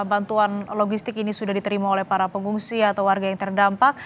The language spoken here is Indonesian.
bantuan logistik ini sudah diterima oleh para pengungsi atau warga yang terdampak